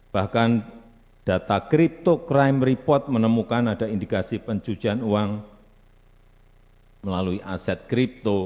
bahkan data crypto crime report menemukan ada indikasi pencucian uang melalui aset kripto